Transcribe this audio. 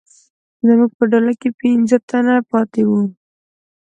زموږ په ډله کې پنځه تنه پاتې وو.